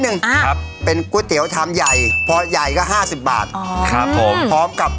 หนึ่งอ่าครับเป็นก๋วยเตี๋ยวชามใหญ่พอใหญ่ก็ห้าสิบบาทอ๋อครับผมพร้อมกับ